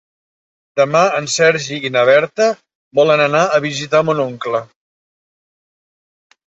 Demà en Sergi i na Berta volen anar a visitar mon oncle.